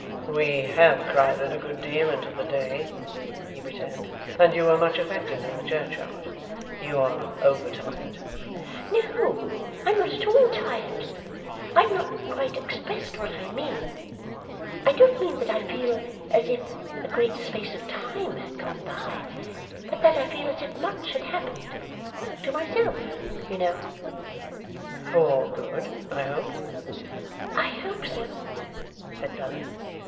'We have crowded a good deal into the day,' he returned, 'and you were much affected in the churchyard. You are over tired.' 'No, I am not at all tired. I have not quite expressed what I mean. I don't mean that I feel as if a great space of time had gone by, but that I feel as if much had happened to myself, you know.' 'For good, I hope?' 'I hope so,' said Bella.